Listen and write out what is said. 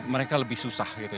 mereka lebih susah gitu